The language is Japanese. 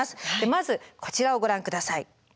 まずこちらをご覧下さい。